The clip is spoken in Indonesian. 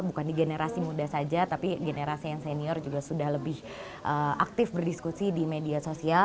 bukan di generasi muda saja tapi generasi yang senior juga sudah lebih aktif berdiskusi di media sosial